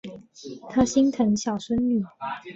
他心疼小孙女